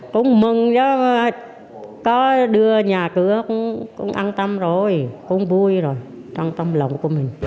cũng mừng gió có đưa nhà cửa cũng an tâm rồi cũng vui rồi trong tâm lòng của mình